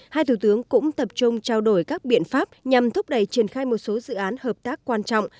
hai thủ tướng cũng tập trung trao đổi các biện pháp nhằm thúc đẩy triển khai một số dự án hợp tác quan trọng